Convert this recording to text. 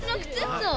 そう。